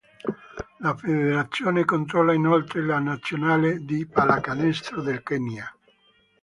La federazione controlla inoltre la nazionale di pallacanestro del Kenya.